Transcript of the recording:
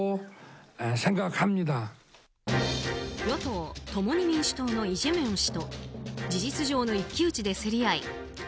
与党・共に民主党のイ・ジェミョン氏と事実上の一騎打ちで競り合い